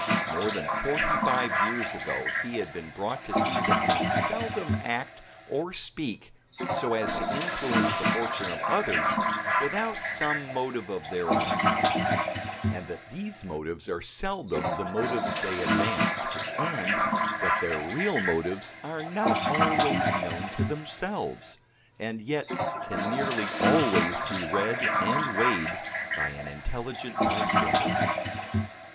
More than forty five years ago he had been brought to see that men seldom act or speak so as to influence the fortunes of others without some motive of their own; and that these motives are seldom the motives they advance; and that their real motives are not always known to themselves, and yet can nearly always be read and weighed by an intelligent bystander.